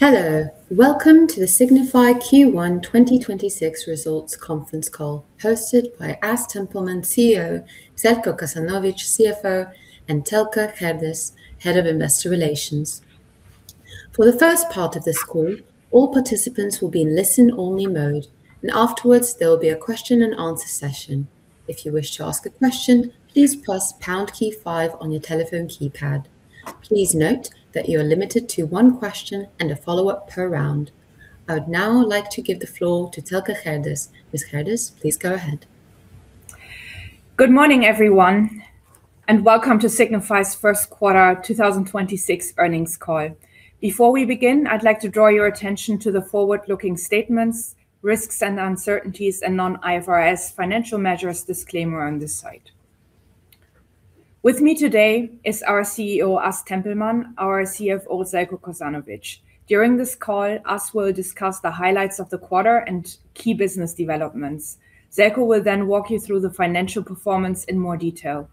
Hello. Welcome to the Signify Q1 2026 results conference call hosted by As Tempelman, CEO, Željko Kosanović, CFO, and Thelke Gerdes, Head of Investor Relations. For the first part of this call, all participants will be in listen-only mode, and afterwards, there will be a question and answer session. If you wish to ask a question, please press pound key five on your telephone keypad. Please note that you are limited to one question and a follow-up per round. I would now like to give the floor to Thelke Gerdes. Ms. Gerdes, please go ahead. Good morning, everyone, and welcome to Signify's first quarter 2026 earnings call. Before we begin, I'd like to draw your attention to the forward-looking statements, risks and uncertainties, and non-IFRS financial measures disclaimer on this site. With me today is our CEO, As Tempelman, our CFO, Željko Kosanović. During this call, As will discuss the highlights of the quarter and key business developments. Željko will then walk you through the financial performance in more detail.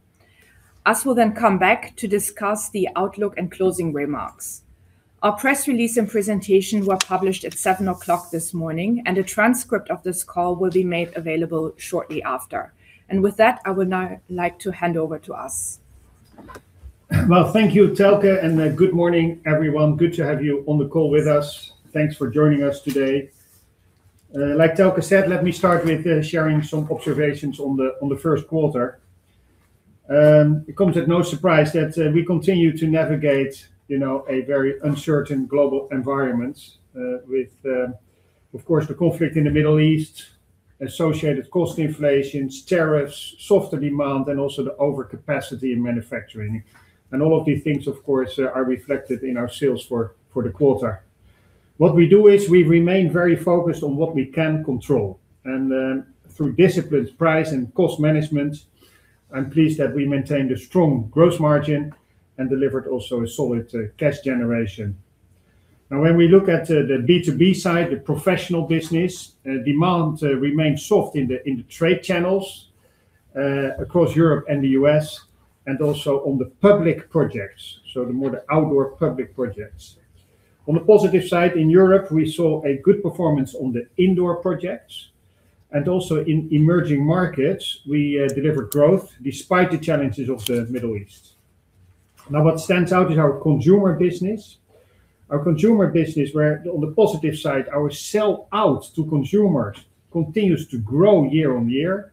As will then come back to discuss the outlook and closing remarks. Our press release and presentation were published at 7:00 A.M. this morning, and a transcript of this call will be made available shortly after. With that, I would now like to hand over to As. Well, thank you, Thelke, and good morning, everyone. Good to have you on the call with us. Thanks for joining us today. Like Thelke said, let me start with sharing some observations on the first quarter. It comes as no surprise that we continue to navigate a very uncertain global environment, with, of course, the conflict in the Middle East, associated cost inflations, tariffs, softer demand, and also the overcapacity in manufacturing. All of these things, of course, are reflected in our sales for the quarter. What we do is we remain very focused on what we can control, and through disciplined price and cost management, I'm pleased that we maintained a strong gross margin and delivered also a solid cash generation. Now, when we look at the B2B side, the Professional business, demand remains soft in the trade channels across Europe and the U.S., and also on the public projects, so the more outdoor public projects. On the positive side, in Europe, we saw a good performance on the indoor projects. also in emerging markets, we delivered growth despite the challenges of the Middle East. Now, what stands out is our consumer business. Our consumer business, where on the positive side, our sell out to consumers continues to grow year on year.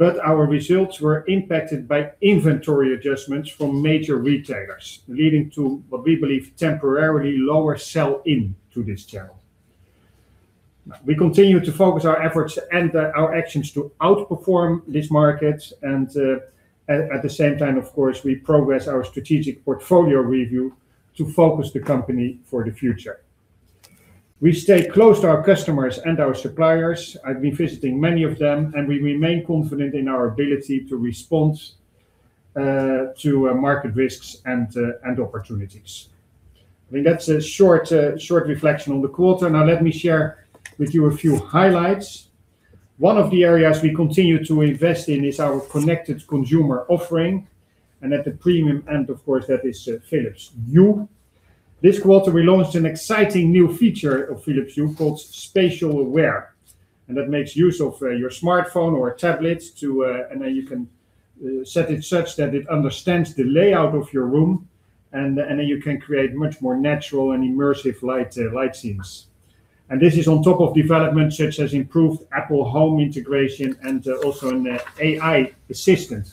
Our results were impacted by inventory adjustments from major retailers, leading to what we believe temporarily lower sell in to this channel. We continue to focus our efforts and our actions to outperform these markets, and at the same time, of course, we progress our strategic portfolio review to focus the company for the future. We stay close to our customers and our suppliers. I've been visiting many of them, and we remain confident in our ability to respond to market risks and opportunities. I think that's a short reflection on the quarter. Now, let me share with you a few highlights. One of the areas we continue to invest in is our connected consumer offering. At the premium end, of course, that is Philips Hue. This quarter, we launched an exciting new feature of Philips Hue called SpatialAware. That makes use of your smartphone or tablet, and then you can set it such that it understands the layout of your room, and then you can create much more natural and immersive light scenes. This is on top of developments such as improved Apple Home integration and also an AI assistant.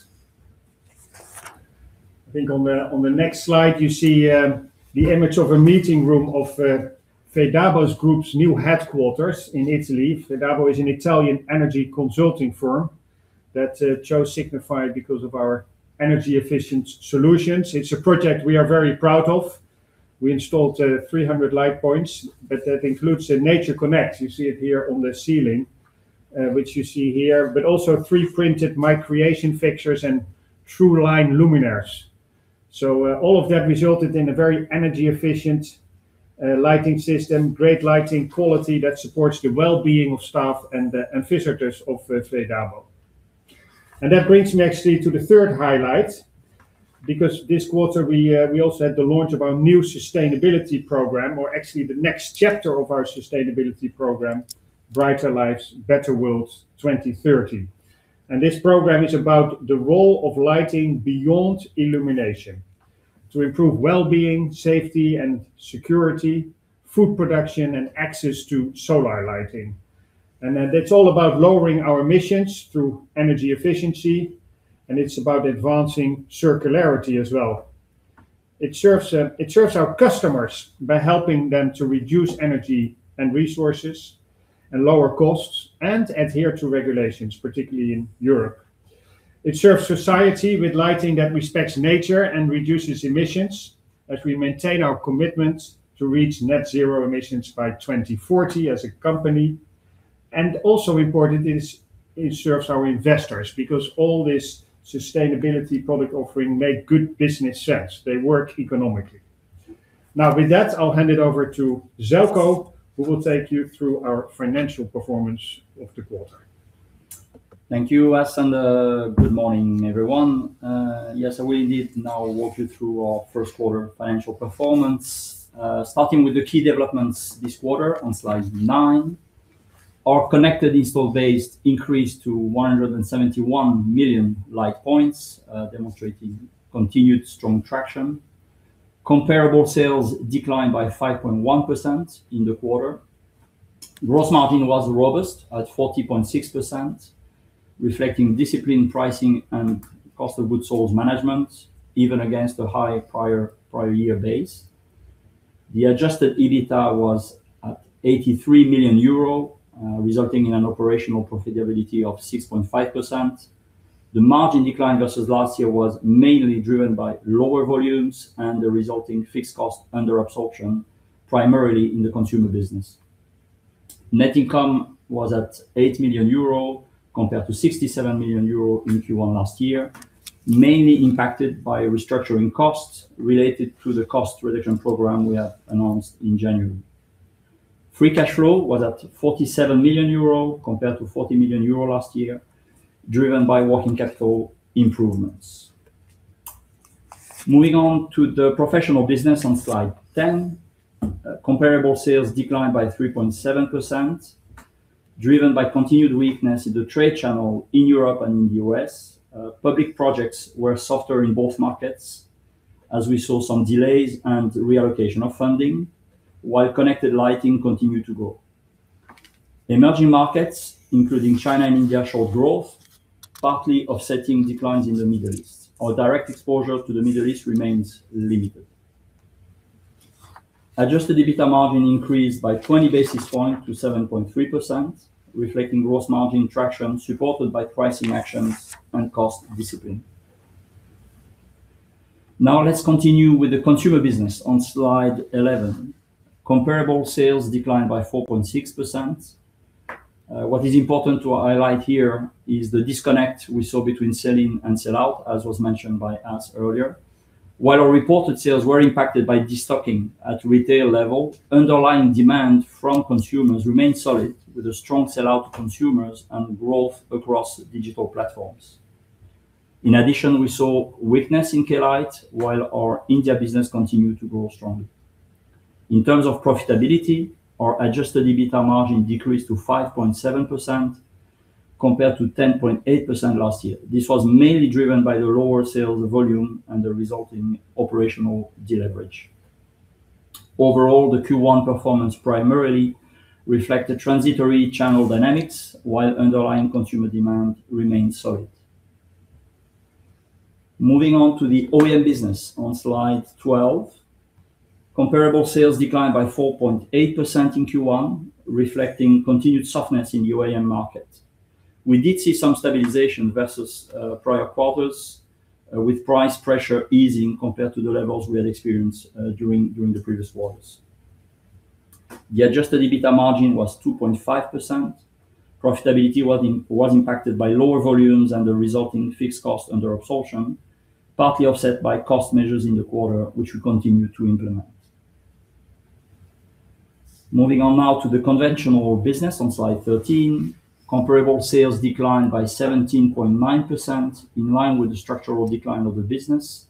I think on the next slide, you see the image of a meeting room of Fedabo Group's new headquarters in Italy. Fedabo is an Italian energy consulting firm that chose Signify because of our energy-efficient solutions. It's a project we are very proud of. We installed 300 light points, but that includes the NatureConnect. You see it here on the ceiling, which you see here, but also 3D-printed myCreation fixtures and TrueLine luminaires. So all of that resulted in a very energy-efficient lighting system, great lighting quality that supports the well-being of staff and visitors of Fedabo. That brings me actually to the third highlight, because this quarter we also had the launch of our new sustainability program, or actually the next chapter of our sustainability program, Brighter Lives, Better World 2030. This program is about the role of lighting beyond illumination to improve well-being, safety and security, food production, and access to solar lighting. That's all about lowering our emissions through energy efficiency, and it's about advancing circularity as well. It serves our customers by helping them to reduce energy and resources and lower costs and adhere to regulations, particularly in Europe. It serves society with lighting that respects nature and reduces emissions as we maintain our commitment to reach net zero emissions by 2040 as a company. Also important is it serves our investors because all this sustainability product offering made good business sense. They work economically. Now, with that, I'll hand it over to Željko, who will take you through our financial performance of the quarter. Thank you, As Tempelman, and good morning, everyone. Yes, we will now walk you through our first-quarter financial performance, starting with the key developments this quarter on slide nine. Our connected installed base increased to 171 million light points, demonstrating continued strong traction. Comparable sales declined by 5.1% in the quarter. Gross margin was robust at 40.6%, reflecting disciplined pricing and cost of goods sold management, even against a high prior year base. The adjusted EBITA was at 83 million euro, resulting in an operational profitability of 6.5%. The margin decline versus last year was mainly driven by lower volumes and the resulting fixed cost under absorption, primarily in the consumer business. Net income was at 8 million euro compared to 67 million euro in Q1 last year, mainly impacted by restructuring costs related to the cost reduction program we have announced in January. Free cash flow was at 47 million euro compared to 40 million euro last year, driven by working capital improvements. Moving on to the Professional business on slide 10. Comparable sales declined by 3.7%, driven by continued weakness in the trade channel in Europe and in the U.S. Public projects were softer in both markets, as we saw some delays and reallocation of funding, while connected lighting continued to grow. Emerging markets, including China and India, showed growth, partly offsetting declines in the Middle East. Our direct exposure to the Middle East remains limited. Adjusted EBITA margin increased by 20 basis points to 7.3%, reflecting gross margin traction supported by pricing actions and cost discipline. Now let's continue with the consumer business on slide 11. Comparable sales declined by 4.6%. What is important to highlight here is the disconnect we saw between sell-in and sell-out, as was mentioned by As earlier. While our reported sales were impacted by de-stocking at retail level, underlying demand from consumers remained solid with a strong sell-out to consumers and growth across digital platforms. In addition, we saw weakness in Key Light while our India business continued to grow strongly. In terms of profitability, our adjusted EBITA margin decreased to 5.7% compared to 10.8% last year. This was mainly driven by the lower sales volume and the resulting operational deleverage. Overall, the Q1 performance primarily reflect the transitory channel dynamics while underlying consumer demand remains solid. Moving on to the OEM business on slide 12. Comparable sales declined by 4.8% in Q1, reflecting continued softness in UAM markets. We did see some stabilization versus prior quarters, with price pressure easing compared to the levels we had experienced during the previous quarters. The adjusted EBITA margin was 2.5%. Profitability was impacted by lower volumes and the resulting fixed cost under absorption, partly offset by cost measures in the quarter, which we continue to implement. Moving on now to the conventional business on slide 13. Comparable sales declined by 17.9% in line with the structural decline of the business.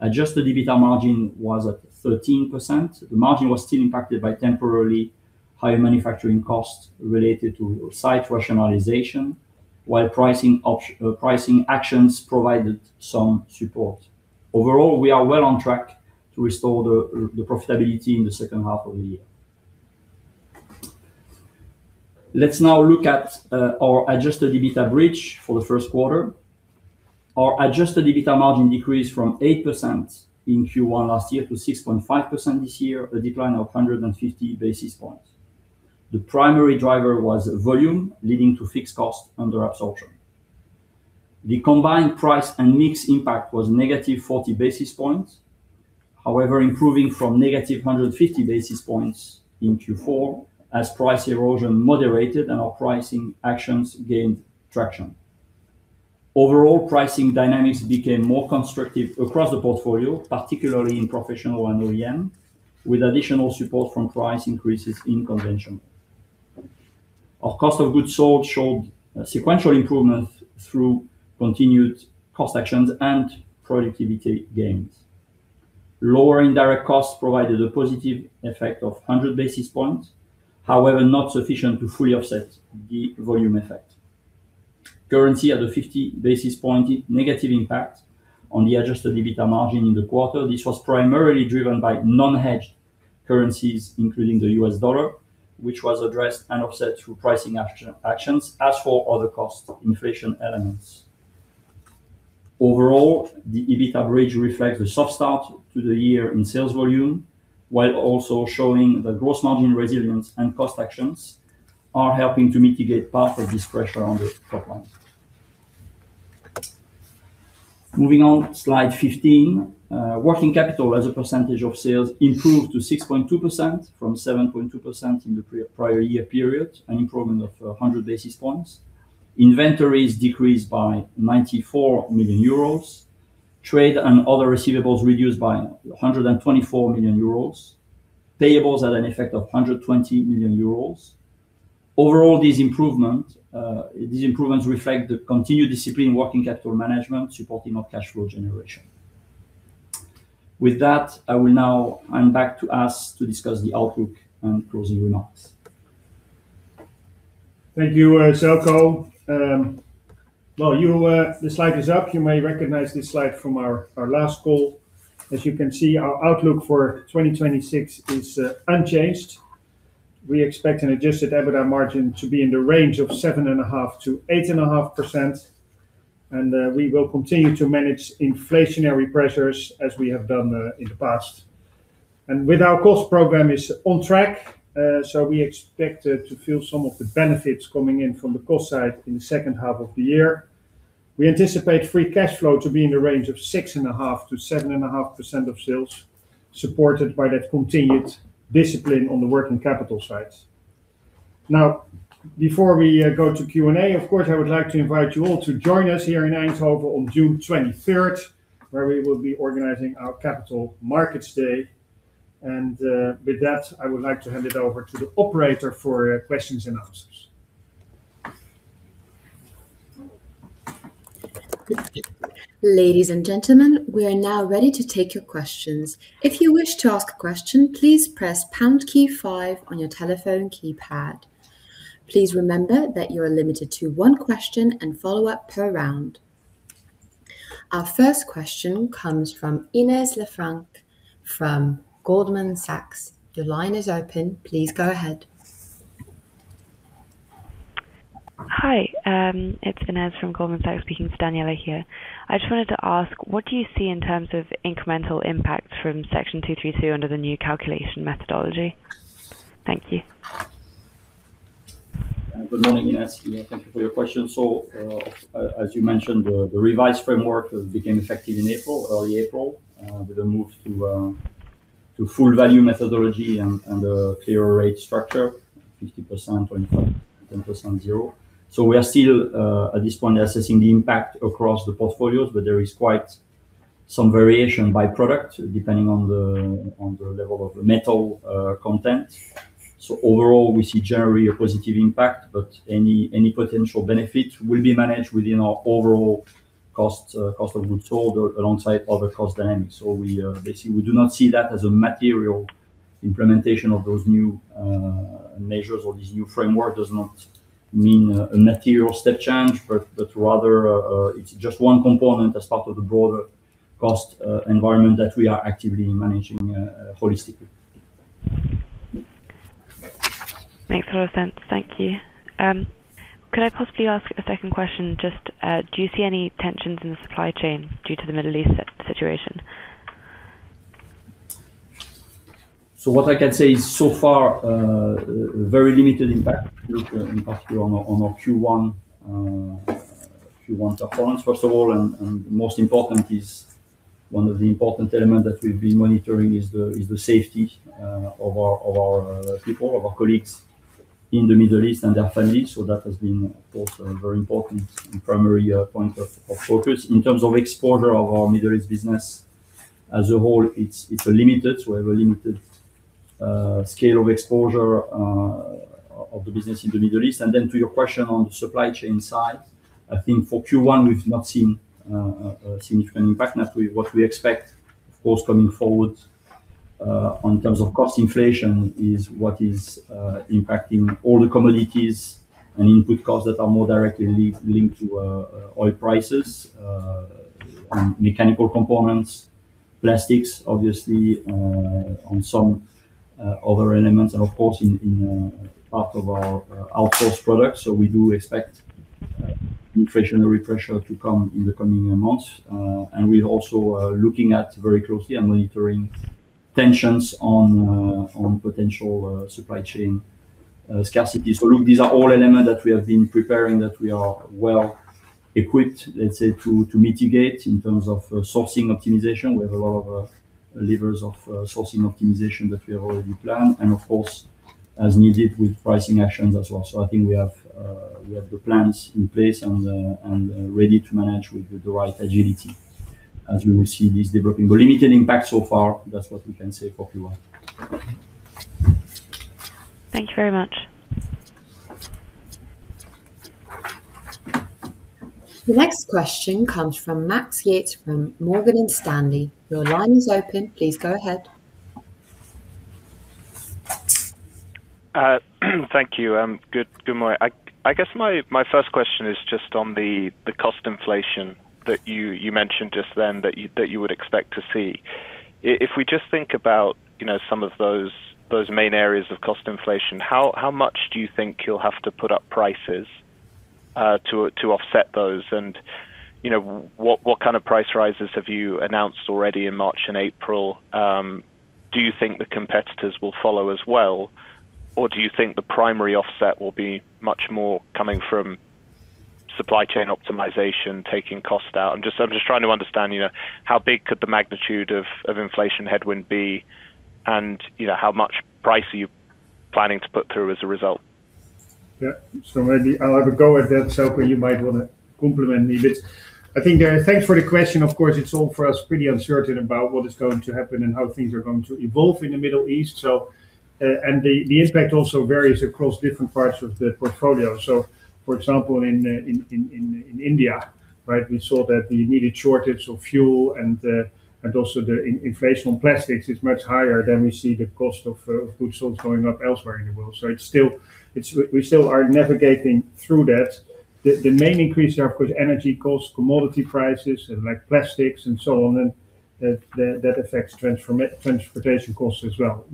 Adjusted EBITA margin was at 13%. The margin was still impacted by temporarily higher manufacturing costs related to site rationalization, while pricing actions provided some support. Overall, we are well on track to restore the profitability in the second half of the year. Let's now look at our adjusted EBITA bridge for the first quarter. Our adjusted EBITA margin decreased from 8% in Q1 last year to 6.5% this year, a decline of 150 basis points. The primary driver was volume leading to fixed cost under absorption. The combined price and mix impact was negative 40 basis points, however, improving from negative 150 basis points in Q4 as price erosion moderated and our pricing actions gained traction. Overall, pricing dynamics became more constructive across the portfolio, particularly in Professional and OEM, with additional support from price increases in conventional. Our cost of goods sold showed sequential improvement through continued cost actions and productivity gains. Lower indirect costs provided a positive effect of 100 basis points, however, not sufficient to fully offset the volume effect. Currency had a 50 basis point negative impact on the adjusted EBITA margin in the quarter. This was primarily driven by non-hedged currencies, including the U.S. dollar, which was addressed and offset through pricing actions, as for other cost inflation elements. Overall, the EBITA bridge reflects the soft start to the year in sales volume, while also showing the gross margin resilience and cost actions are helping to mitigate part of this pressure on the top line. Moving on, slide 15. Working capital as a percentage of sales improved to 6.2% from 7.2% in the prior year period, an improvement of 100 basis points. Inventories decreased by 94 million euros. Trade and other receivables reduced by 124 million euros. Payables had an effect of 120 million euros. Overall, these improvements reflect the continued discipline working capital management supporting our cash flow generation. With that, I will now hand back to As Tempelman to discuss the outlook and closing remarks. Thank you, Željko. Well, the slide is up. You may recognize this slide from our last call. As you can see, our outlook for 2026 is unchanged. We expect an adjusted EBITA margin to be in the range of 7.5%-8.5%, and we will continue to manage inflationary pressures as we have done in the past. With our cost program is on track, so we expect to feel some of the benefits coming in from the cost side in the second half of the year. We anticipate free cash flow to be in the range of 6.5%-7.5% of sales, supported by that continued discipline on the working capital side. Now, before we go to Q&A, of course, I would like to invite you all to join us here in Eindhoven on June 23rd, where we will be organizing our Capital Markets Day. With that, I would like to hand it over to the operator for questions and answers. Ladies and gentlemen, we are now ready to take your questions. If you wish to ask a question, please press pound key five on your telephone keypad. Please remember that you are limited to one question and follow-up per round. Our first question comes from Ines Lefranc from Goldman Sachs. Your line is open. Please go ahead. Hi, it's Ines Lefranc from Goldman Sachs, speaking to Daniela here. I just wanted to ask, what do you see in terms of incremental impact from Section 232 under the new calculation methodology? Thank you. Good morning, Ines. Thank you for your question. As you mentioned, the revised framework became effective in early April, with a move to full value methodology and a clearer rate structure, 50%, 25%, 10%, 0%. We are still, at this point, assessing the impact across the portfolios, but there is quite some variation by product depending on the level of metal content. Overall, we see generally a positive impact, but any potential benefit will be managed within our overall cost of goods sold alongside other cost dynamics. Basically, we do not see that as a material implementation of those new measures or this new framework, does not mean a material step change, but rather it's just one component as part of the broader cost environment that we are actively managing holistically. Makes a lot of sense. Thank you. Could I possibly ask a second question? Just, do you see any tensions in the supply chain due to the Middle East situation? What I can say is so far, very limited impact on our Q1 performance, first of all. Most important is one of the important element that we've been monitoring is the safety of our people, of our colleagues in the Middle East and their families. That has been, of course, a very important and primary point of focus. In terms of exposure of our Middle East business as a whole, it's limited. We have a limited scale of exposure of the business in the Middle East. Then to your question on the supply chain side, I think for Q1, we've not seen a significant impact. Naturally, what we expect, of course, coming forward, in terms of cost inflation is what is impacting all the commodities and input costs that are more directly linked to oil prices, and mechanical components, plastics, obviously, and some other elements and of course, in part of our outsourced products. We do expect inflationary pressure to come in the coming months. We're also looking at very closely and monitoring tensions on potential supply chain scarcity. Look, these are all elements that we have been preparing, that we are well equipped, let's say, to mitigate in terms of sourcing optimization. We have a lot of levers of sourcing optimization that we have already planned, and of course, as needed with pricing actions as well. I think we have the plans in place and ready to manage with the right agility as we will see this developing. Limited impact so far, that's what we can say for Q1. Thank you very much. The next question comes from Max Yates from Morgan Stanley. Your line is open. Please go ahead. Thank you. Good morning. I guess my first question is just on the cost inflation that you mentioned just then that you would expect to see. If we just think about some of those main areas of cost inflation, how much do you think you'll have to put up prices, to offset those? And what kind of price rises have you announced already in March and April? Do you think the competitors will follow as well, or do you think the primary offset will be much more coming from supply chain optimization, taking cost out? I'm just trying to understand how big could the magnitude of inflation headwind be, and how much price are you planning to put through as a result? Yeah. Maybe I'll have a go at that, Željko Kosanović, you might want to complement me a bit. I think, thanks for the question. Of course, it's all pretty uncertain for us about what is going to happen and how things are going to evolve in the Middle East. The impact also varies across different parts of the portfolio. For example, in India, we saw that the immediate shortage of fuel and also the inflation on plastics is much higher than we see the cost of goods sold going up elsewhere in the world. We still are navigating through that. The main increase are, of course, energy costs, commodity prices, and plastics and so on, and that affects transportation costs as well.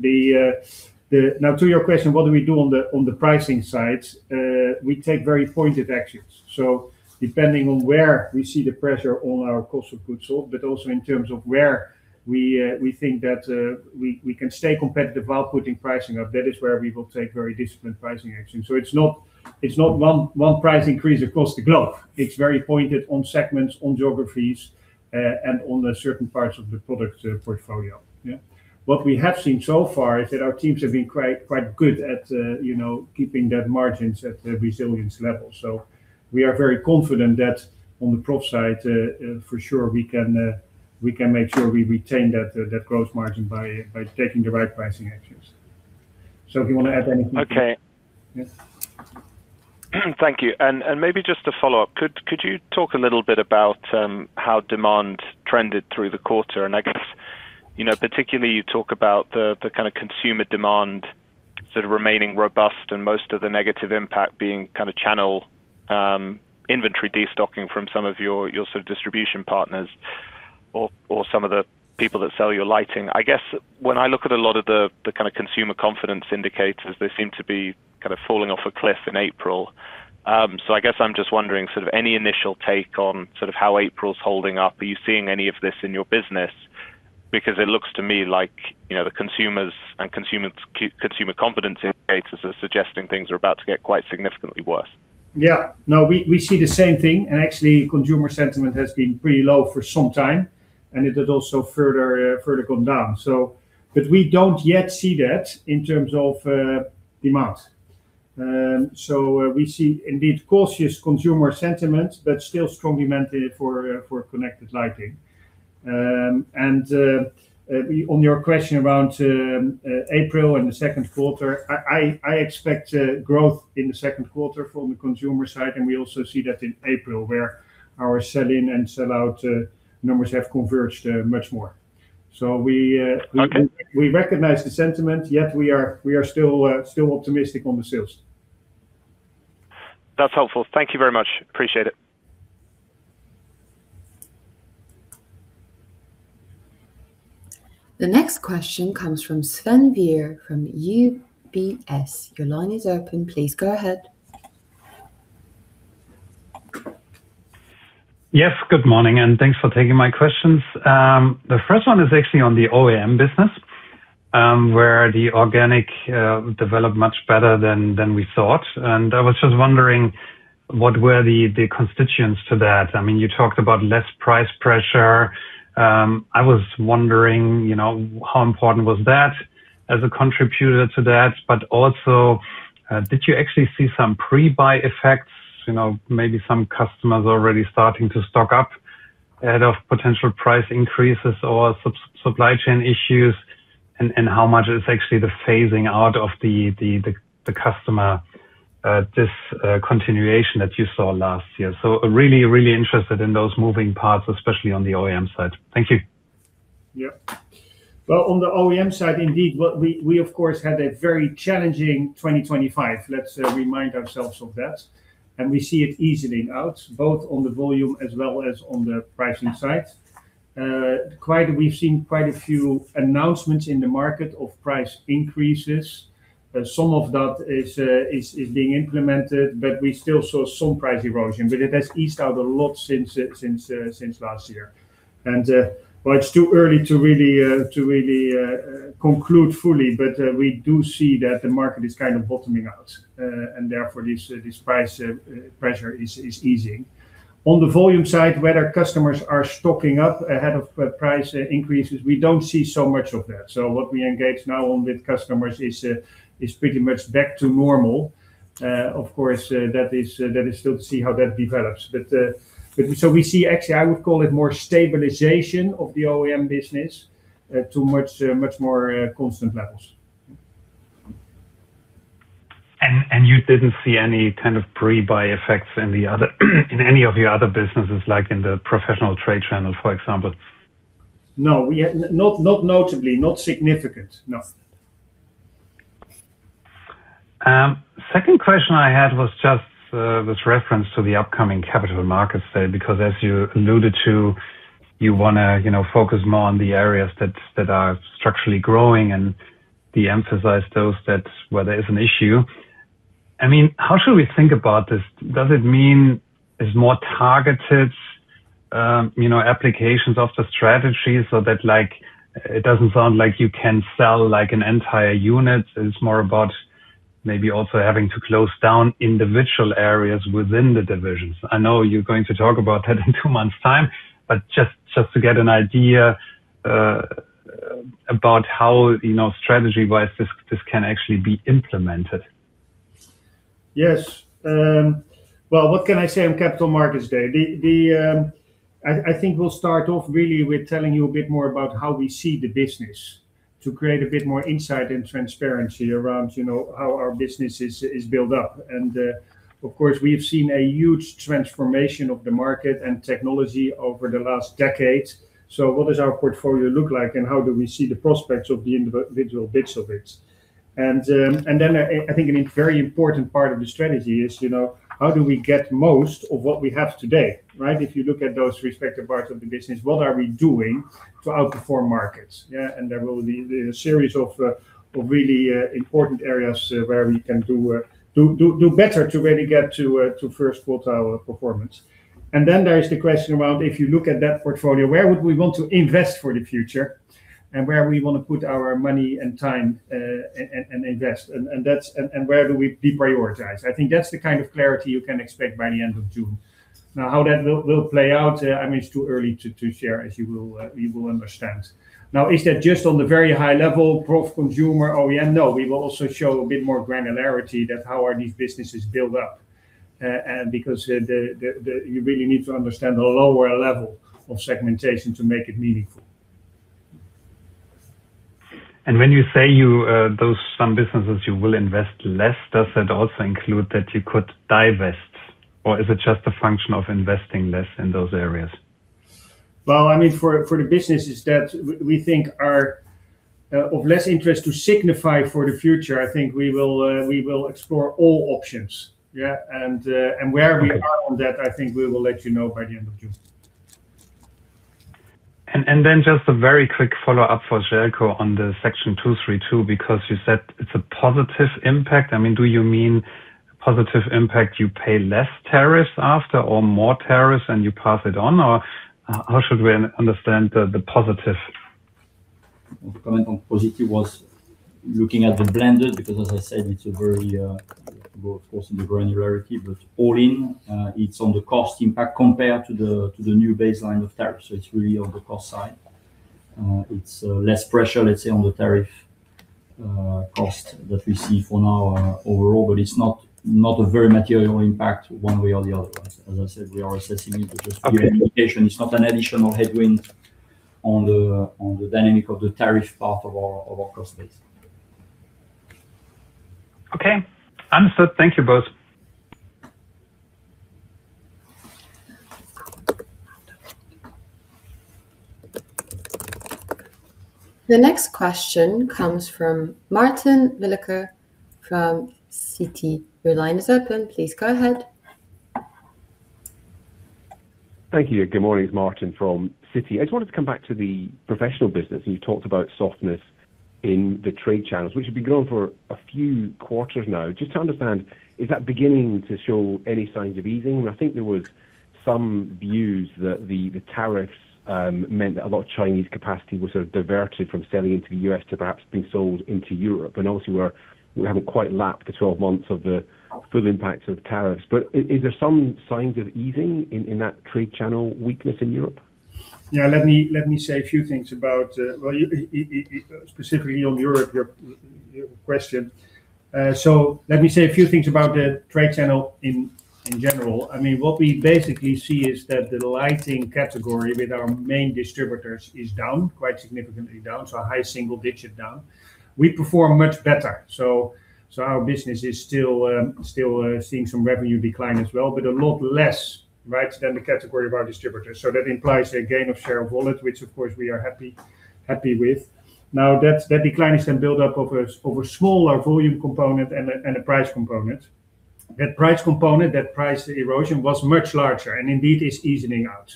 Now, to your question, what do we do on the pricing side? We take very pointed actions. Depending on where we see the pressure on our cost of goods sold, but also in terms of where we think that we can stay competitive while putting pricing up. That is where we will take very disciplined pricing action. It's not one price increase across the globe. It's very pointed on segments, on geographies, and on the certain parts of the product portfolio. Yeah. What we have seen so far is that our teams have been quite good at keeping that margins at the resilience level. We are very confident that on the Professional side, for sure, we can make sure we retain that gross margin by taking the right pricing actions. Željko Kosanović, you want to add anything? Okay. Yes. Thank you. Maybe just to follow up, could you talk a little bit about how demand trended through the quarter? I guess, particularly you talk about the kind of consumer demand sort of remaining robust and most of the negative impact being kind of channel inventory destocking from some of your sort of distribution partners or some of the people that sell your lighting. I guess when I look at a lot of the kind of consumer confidence indicators, they seem to be kind of falling off a cliff in April. I guess I'm just wondering sort of any initial take on sort of how April's holding up. Are you seeing any of this in your business? Because it looks to me like the consumers and consumer confidence indicators are suggesting things are about to get quite significantly worse. Yeah. No, we see the same thing, and actually consumer sentiment has been pretty low for some time, and it has also further gone down. We don't yet see that in terms of demands. We see indeed cautious consumer sentiment, but still strong demand for connected lighting. On your question around April and the second quarter, I expect growth in the second quarter from the consumer side, and we also see that in April, where our sell in and sell out numbers have converged much more. We recognize the sentiment, yet we are still optimistic on the sales. That's helpful. Thank you very much. Appreciate it. The next question comes from Sven Weier from UBS. Your line is open. Please go ahead. Yes, good morning, and thanks for taking my questions. The first one is actually on the OEM business, where the organic developed much better than we thought. I was just wondering what were the constituents to that. You talked about less price pressure. I was wondering, how important was that as a contributor to that, but also, did you actually see some pre-buy effects, maybe some customers already starting to stock up ahead of potential price increases or supply chain issues, and how much is actually the phasing out of the customer discontinuation that you saw last year? Really interested in those moving parts, especially on the OEM side. Thank you. Yeah. Well, on the OEM side, indeed, we of course had a very challenging 2025. Let's remind ourselves of that. We see it easing out both on the volume as well as on the pricing side. We've seen quite a few announcements in the market of price increases. Some of that is being implemented, but we still saw some price erosion. It has eased out a lot since last year. While it's too early to really conclude fully, but we do see that the market is kind of bottoming out, and therefore this price pressure is easing. On the volume side, where our customers are stocking up ahead of price increases, we don't see so much of that. What we engage now on with customers is pretty much back to normal. Of course, that is still to see how that develops. We see actually, I would call it more stabilization of the OEM business to much more constant levels. You didn't see any kind of pre-buy effects in any of your other businesses, like in the Professional trade channel, for example? No. Not notably, not significant, no. Second question I had was just with reference to the upcoming Capital Markets Day, because as you alluded to, you want to focus more on the areas that are structurally growing and de-emphasize those where there is an issue. How should we think about this? Does it mean there's more targeted applications of the strategy so that it doesn't sound like you can sell an entire unit. It's more about maybe also having to close down individual areas within the divisions. I know you're going to talk about that in two months' time, but just to get an idea about how strategy-wise this can actually be implemented. Yes. Well, what can I say on Capital Markets Day? I think we'll start off really with telling you a bit more about how we see the business to create a bit more insight and transparency around how our business is built up. Of course, we have seen a huge transformation of the market and technology over the last decade. What does our portfolio look like, and how do we see the prospects of the individual bits of it? I think a very important part of the strategy is how do we get most of what we have today, right? If you look at those respective parts of the business, what are we doing to outperform markets? Yeah. There will be a series of really important areas where we can do better to really get to first quartile performance. Then there is the question around if you look at that portfolio, where would we want to invest for the future and where we want to put our money and time, and invest. Where do we deprioritize? I think that's the kind of clarity you can expect by the end of June. Now, how that will play out, it's too early to share, as you will understand. Now, is that just on the very high level, Professional, Consumer, OEM? No, we will also show a bit more granularity that how are these businesses built up. Because you really need to understand the lower level of segmentation to make it meaningful. When you say those some businesses you will invest less, does that also include that you could divest or is it just a function of investing less in those areas? Well, I mean, for the businesses that we think are of less interest to Signify for the future, I think we will explore all options. Yeah. Where we are on that, I think we will let you know by the end of June. Just a very quick follow-up for Željko on the Section 232, because you said it's a positive impact. Do you mean positive impact, you pay less tariffs after or more tariffs and you pass it on? Or how should we understand the positive? comment on positive was looking at the blended because, as I said, it's a very coarse in the granularity, but all-in, it's on the cost impact compared to the new baseline of tariffs. It's really on the cost side. It's less pressure, let's say, on the tariff cost that we see for now overall, but it's not a very material impact one way or the other. As I said, we are assessing it with communication. It's not an additional headwind on the dynamics of the tariff part of our cost base. Okay. Understood. Thank you both. The next question comes from Martin Wilkie from Citi. Your line is open. Please go ahead. Thank you. Good morning. It's Martin Wilkie from Citi. I just wanted to come back to the Professional business. You talked about softness in the trade channels, which have been going for a few quarters now. Just to understand, is that beginning to show any signs of easing? I think there was some views that the tariffs meant that a lot of Chinese capacity was sort of diverted from selling into the U.S. to perhaps being sold into Europe. Obviously we haven't quite lapped the 12 months of the full impacts of tariffs, but is there some signs of easing in that trade channel weakness in Europe? Yeah, let me say a few things about Europe, your question. Well, specifically on Europe, your question. Let me say a few things about the trade channel in general. What we basically see is that the lighting category with our main distributors is down, quite significantly down. A high single digit down. We perform much better. Our business is still seeing some revenue decline as well, but a lot less than the category of our distributors. That implies a gain of share of wallet, which of course we are happy with. Now, that decline is then built up of a smaller volume component and a price component. That price component, that price erosion was much larger and indeed is easing out.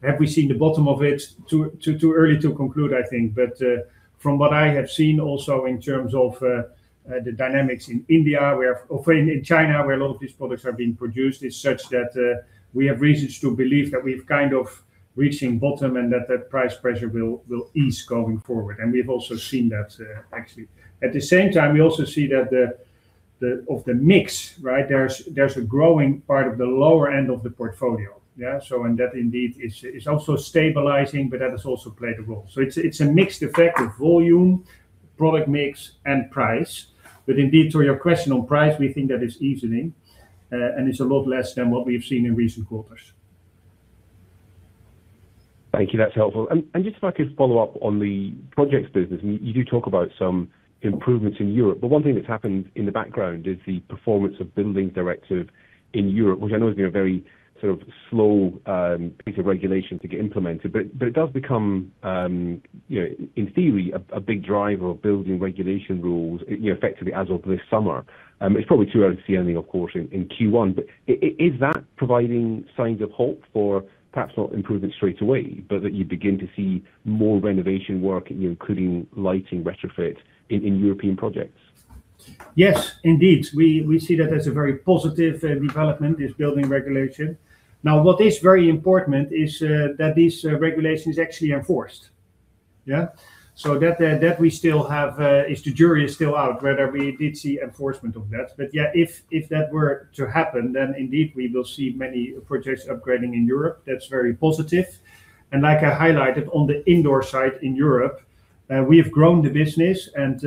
Have we seen the bottom of it? Too early to conclude, I think. From what I have seen also in terms of the dynamics in India, where often in China, where a lot of these products are being produced, is such that we have reasons to believe that we've kind of reaching bottom and that that price pressure will ease going forward. We've also seen that actually. At the same time, we also see that of the mix, there's a growing part of the lower end of the portfolio. Yeah. That indeed is also stabilizing, but that has also played a role. It's a mixed effect of volume, product mix, and price. Indeed, to your question on price, we think that it's easing, and it's a lot less than what we've seen in recent quarters. Thank you. That's helpful. Just if I could follow up on the projects business, and you do talk about some improvements in Europe, but one thing that's happened in the background is the Energy Performance of Buildings Directive in Europe, which I know has been a very sort of slow piece of regulation to get implemented. It does become in theory a big driver of building regulation rules effectively as of this summer. It's probably too early to see anything, of course, in Q1, but is that providing signs of hope for perhaps not improvement straight away, but that you begin to see more renovation work, including lighting retrofit in European projects? Yes, indeed. We see that as a very positive development, this building regulation. Now, what is very important is that this regulation is actually enforced. Yeah. The jury is still out whether we did see enforcement of that. But yeah, if that were to happen, then indeed we will see many projects upgrading in Europe. That's very positive. Like I highlighted on the indoor side in Europe, we have grown the business and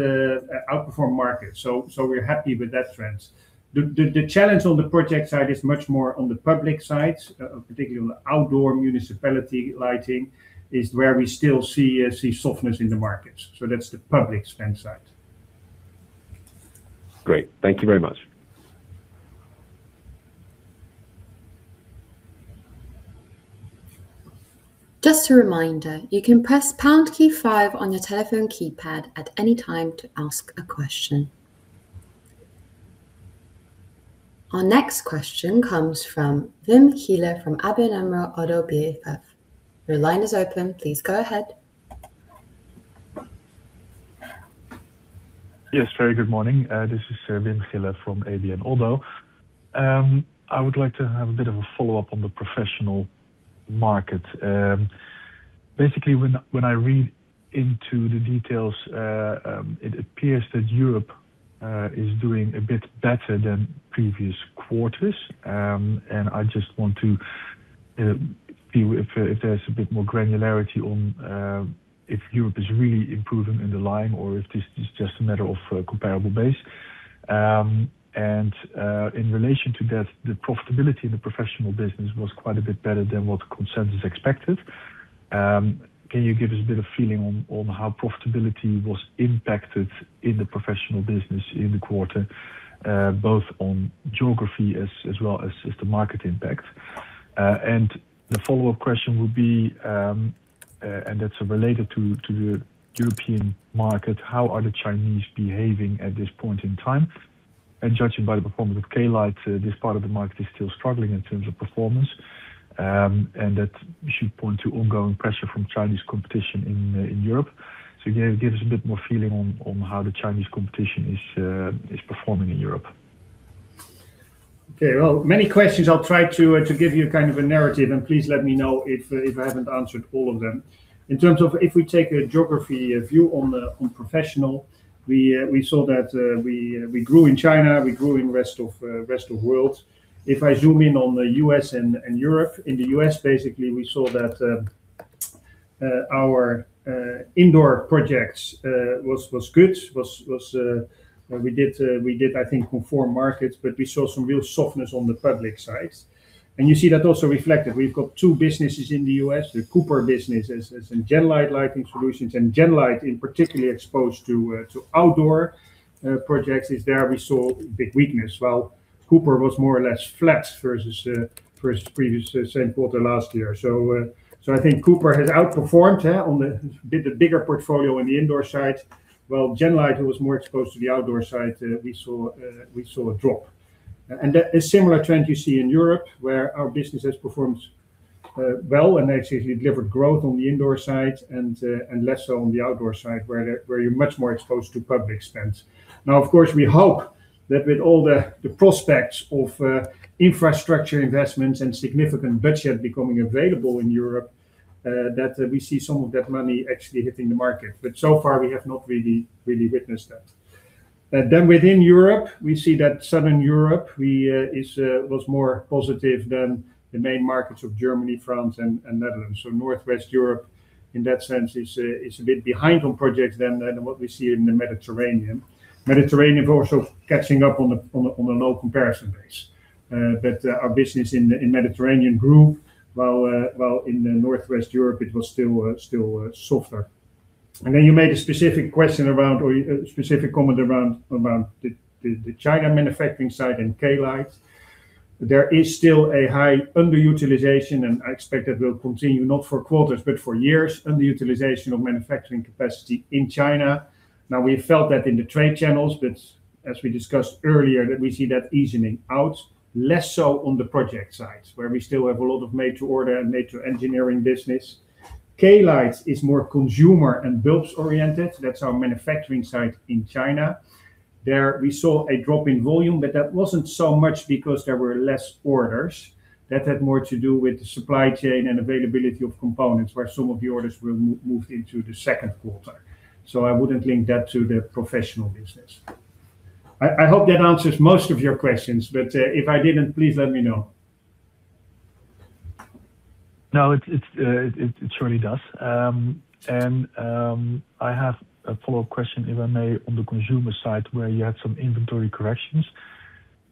outperformed market. We're happy with that trend. The challenge on the project side is much more on the public side, particularly on the outdoor municipality lighting, is where we still see a softness in the market. That's the public spend side. Great. Thank you very much. Just a reminder, you can press pound key five on your telephone keypad at any time to ask a question. Our next question comes from Wim Giele from ABN AMRO ODDO BHF. Your line is open. Please go ahead. Yes, very good morning. This is Wim Giele from ABN AMRO. I would like to have a bit of a follow-up on the Professional market. Basically, when I read into the details, it appears that Europe is doing a bit better than previous quarters. I just want to know if there's a bit more granularity on if Europe is really improving in the line or if this is just a matter of comparable base. In relation to that, the profitability in the Professional business was quite a bit better than what consensus expected. Can you give us a bit of a feeling on how profitability was impacted in the Professional business in the quarter, both on geography as well as just the market impact? The follow-up question would be, that's related to the European market, how are the Chinese behaving at this point in time? Judging by the performance of Klite, this part of the market is still struggling in terms of performance, and that should point to ongoing pressure from Chinese competition in Europe. Can you give us a bit more feeling on how the Chinese competition is performing in Europe? Okay. Well, many questions. I'll try to give you a kind of a narrative, and please let me know if I haven't answered all of them. In terms of if we take a geography view on Professional, we saw that we grew in China, we grew in rest of world. If I zoom in on the U.S. and Europe, in the U.S., basically we saw that our indoor projects was good. We did I think conform markets, but we saw some real softness on the public side. You see that also reflected. We've got two businesses in the U.S., the Cooper business and Genlyte Lighting Solutions, and Genlyte in particular exposed to outdoor projects, is where we saw a big weakness. While Cooper was more or less flat versus previous same quarter last year. I think Cooper has outperformed on the bigger portfolio on the indoor side, while Genlyte, who was more exposed to the outdoor side, we saw a drop. That is similar trend you see in Europe, where our business has performed well and actually delivered growth on the indoor side and less so on the outdoor side where you're much more exposed to public spends. Now, of course, we hope that with all the prospects of infrastructure investments and significant budget becoming available in Europe, that we see some of that money actually hitting the market. But so far, we have not really witnessed that. Within Europe, we see that Southern Europe was more positive than the main markets of Germany, France, and Netherlands. Northwest Europe, in that sense, is a bit behind on projects than what we see in the Mediterranean. Mediterranean also catching up on a low comparison base. Our business in Mediterranean grew, while in the Northwest Europe it was still softer. You made a specific comment around the China manufacturing side and Klite. There is still a high underutilization, and I expect that will continue, not for quarters but for years, underutilization of manufacturing capacity in China. Now we have felt that in the trade channels, but as we discussed earlier, that we see that easing out, less so on the project side, where we still have a lot of major order and major engineering business. Klite is more consumer and bulbs oriented. That's our manufacturing site in China. There we saw a drop in volume, but that wasn't so much because there were less orders. That had more to do with the supply chain and availability of components, where some of the orders were moved into the second quarter. I wouldn't link that to the Professional business. I hope that answers most of your questions, but if I didn't, please let me know. No, it surely does. I have a follow-up question, if I may, on the consumer side where you had some inventory corrections.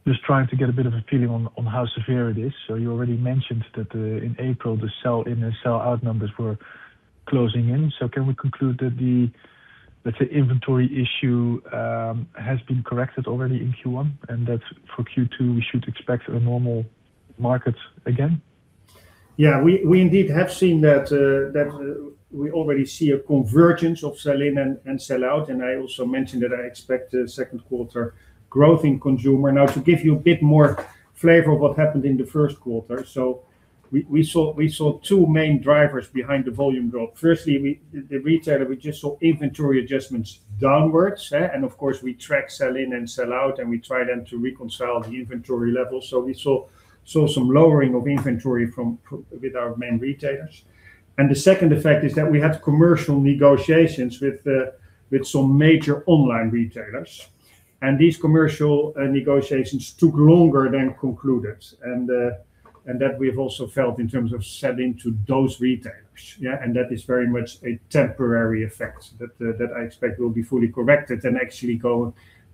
Just trying to get a bit of a feeling on how severe it is. You already mentioned that in April, the sell in and sell out numbers were closing in. Can we conclude that the, let's say, inventory issue has been corrected already in Q1, and that for Q2, we should expect a normal market again? Yeah, we indeed have seen that. We already see a convergence of sell-in and sell-out, and I also mentioned that I expect second quarter growth in Consumer. Now to give you a bit more flavor of what happened in the first quarter. We saw two main drivers behind the volume drop. Firstly, in retail, we just saw inventory adjustments downwards. Of course, we track sell-in and sell-out, and we try then to reconcile the inventory levels. We saw some lowering of inventory with our main retailers. The second effect is that we had commercial negotiations with some major online retailers. These commercial negotiations took longer to conclude. That we have also felt in terms of selling to those retailers. Yeah, that is very much a temporary effect that I expect will be fully corrected and actually,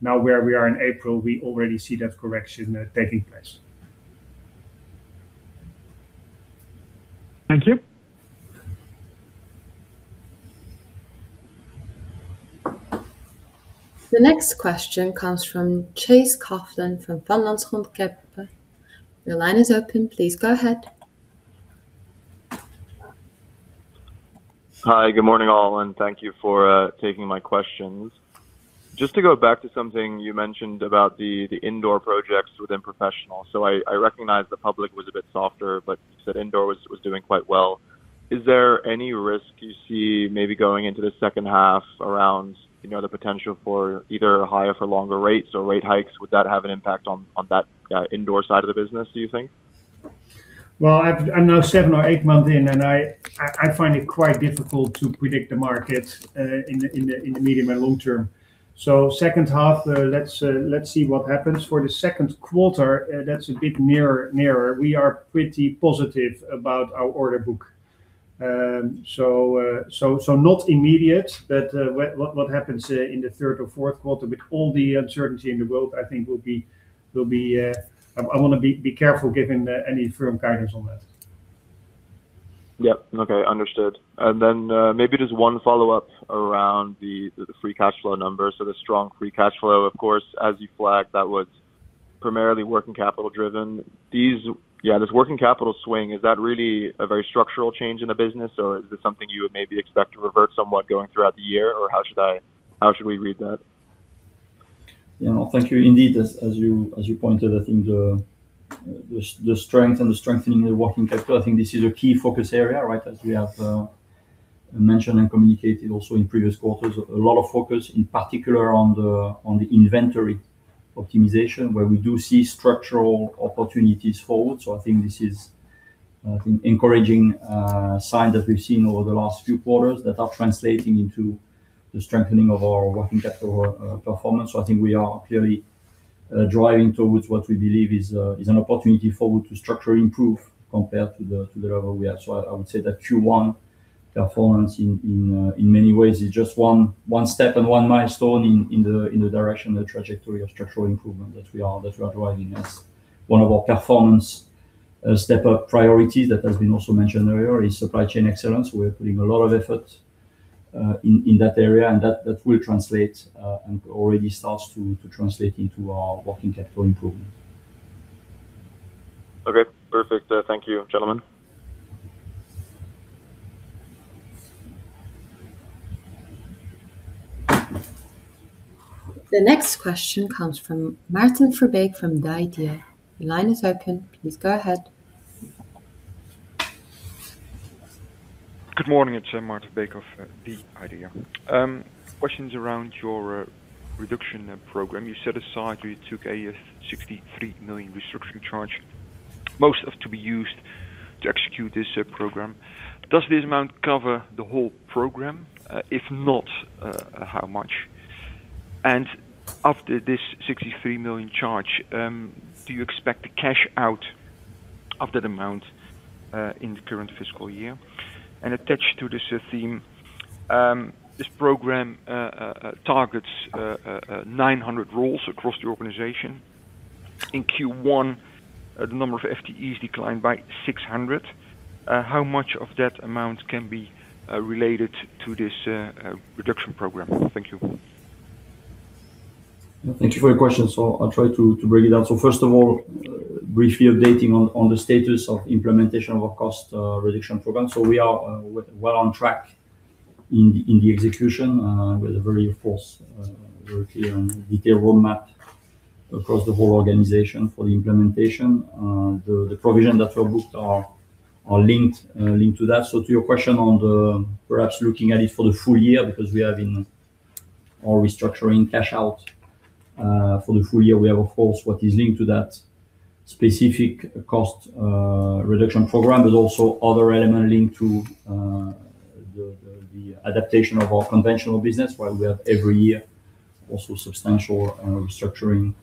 now that we are in April, we already see that correction taking place. Thank you. The next question comes from Chase Coughlan from Van Lanschot Kempen. Your line is open. Please go ahead. Hi. Good morning, all, and thank you for taking my questions. Just to go back to something you mentioned about the indoor projects within Professional. I recognize the public was a bit softer, but you said indoor was doing quite well. Is there any risk you see maybe going into the second half around the potential for either higher for longer rates or rate hikes? Would that have an impact on that indoor side of the business, do you think? Well, I'm now seven or eight months in, and I find it quite difficult to predict the market in the medium and long term. Second half, let's see what happens. For the second quarter, that's a bit nearer. We are pretty positive about our order book. Not immediate, but what happens in the third or fourth quarter with all the uncertainty in the world, I think will be. I want to be careful giving any firm guidance on that. Yep. Okay. Understood. Maybe just one follow-up around the free cash flow numbers. The strong free cash flow, of course, as you flagged, that was primarily working capital driven. This working capital swing, is that really a very structural change in the business, or is this something you would maybe expect to revert somewhat going throughout the year? Or how should we read that? Yeah. Thank you. Indeed, as you pointed, I think the strength and the strengthening the working capital, I think this is a key focus area, right? As we have mentioned and communicated also in previous quarters, a lot of focus in particular on the inventory optimization where we do see structural opportunities forward. I think this is encouraging sign that we've seen over the last few quarters that are translating into the strengthening of our working capital performance. I think we are clearly driving towards what we believe is an opportunity forward to structurally improve compared to the level we are. I would say that Q1 performance in many ways is just one step and one milestone in the direction of the trajectory of structural improvement that we are driving as one of our performance step-up priorities. That has been also mentioned earlier is Supply Chain Excellence. We're putting a lot of effort in that area, and that will translate, and already starts to translate into our working capital improvement. Okay, perfect. Thank you, gentlemen. The next question comes from Maarten Verbeek from The IDEA!. Your line is open. Please go ahead. Good morning. It's Maarten Verbeek of The IDEA!. Questions around your reduction program. You set aside, you took a 63 million restructuring charge, most of to be used to execute this program. Does this amount cover the whole program? If not, how much? And after this 63 million charge, do you expect to cash out of that amount, in the current fiscal year? And attached to this theme, this program targets 900 roles across the organization. In Q1, the number of FTEs declined by 600. How much of that amount can be related to this reduction program? Thank you. Thank you for your question. I'll try to break it down. First of all, briefly updating on the status of implementation of our cost reduction program. We are well on track in the execution, with a very focused, very clear and detailed roadmap across the whole organization for the implementation. The provisions that were booked are linked to that. To your question on perhaps looking at it for the full year, because we have in our restructuring cash out, for the full year, we have, of course, what is linked to that specific cost reduction program, but also other elements linked to the adaptation of our conventional business, where we have every year also substantial restructuring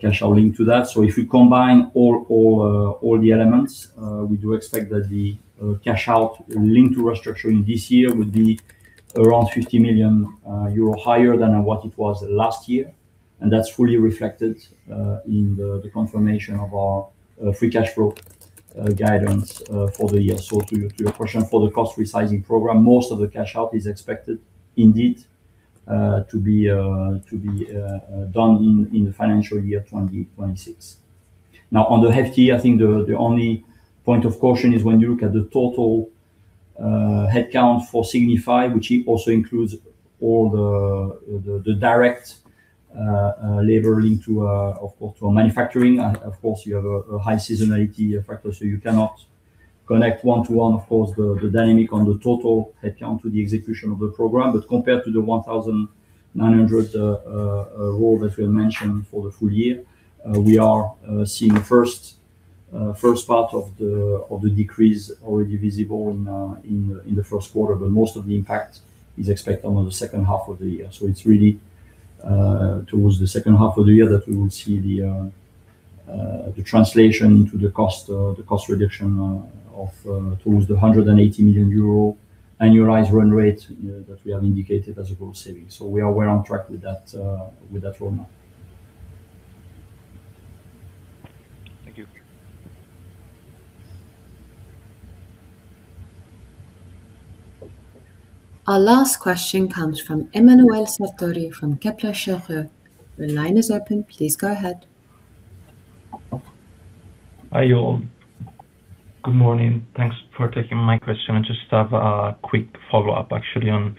cash out linked to that. If you combine all the elements, we do expect that the cash out linked to restructuring this year will be around 50 million euro higher than what it was last year. That's fully reflected in the confirmation of our free cash flow guidance for the year. To your question, for the cost resizing program, most of the cash out is expected indeed to be done in the financial year 2026. Now on the FTE, I think the only point of caution is when you look at the total headcount for Signify, which also includes all the direct labor linked to our manufacturing. Of course, you have a high seasonality factor, so you cannot connect one-to-one the dynamic on the total headcount to the execution of the program. Compared to the 1,900 roles that we have mentioned for the full year, we are seeing a first part of the decrease already visible in the first quarter, but most of the impact is expected on the second half of the year. It's really towards the second half of the year that we will see the translation to the cost reduction of towards the 180 million euro annualized run rate that we have indicated as a gross saving. We are well on track with that roadmap. Thank you. Our last question comes from Emanuele Sartori from Kepler Cheuvreux. Your line is open. Please go ahead. Hi, you all. Good morning. Thanks for taking my question. I just have a quick follow-up actually on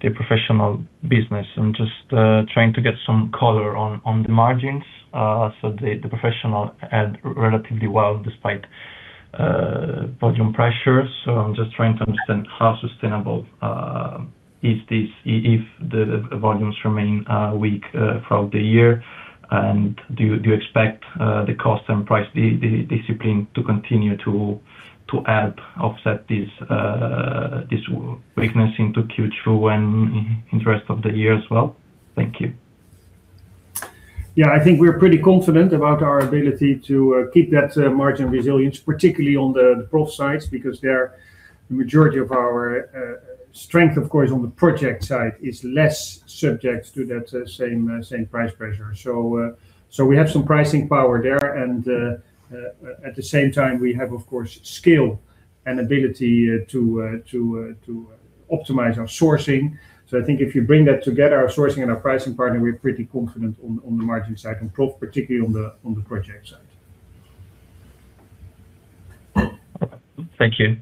the Professional business. I'm just trying to get some color on the margins. The Professional held relatively well despite volume pressures. I'm just trying to understand how sustainable is this if the volumes remain weak throughout the year. Do you expect the cost and price discipline to continue to help offset this weakness into Q2 and in the rest of the year as well? Thank you. Yeah, I think we're pretty confident about our ability to keep that margin resilience, particularly on the Professional sides, because the majority of our strength, of course, on the project side is less subject to that same price pressure. We have some pricing power there, and at the same time we have, of course, scale and ability to optimize our sourcing. I think if you bring that together, our sourcing and our pricing power, we're pretty confident on the margin side, and particularly on the project side. Thank you.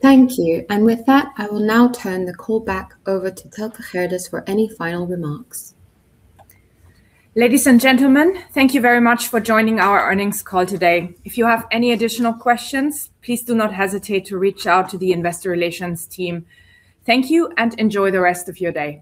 Thank you. With that, I will now turn the call back over to Thelke Gerdes for any final remarks. Ladies and gentlemen, thank you very much for joining our earnings call today. If you have any additional questions, please do not hesitate to reach out to the investor relations team. Thank you, and enjoy the rest of your day.